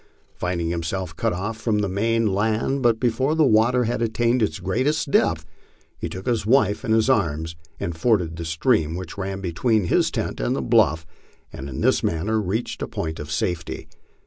Finding himself cut off from the main land, but before the water had attained its greatest depth, he took his wife in his arms and forded the stream which ran between his tent and the bluff, and in this manner reached a point of safety.